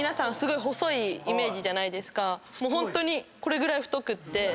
ホントにこれぐらい太くって。